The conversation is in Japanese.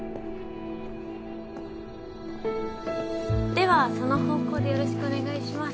ではその方向でよろしくお願いします。